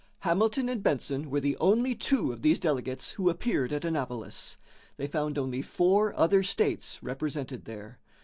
Hamilton and Benson were the only two of these delegates who appeared at Annapolis. They found only four other states represented there.